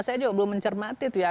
saya juga belum mencermati itu ya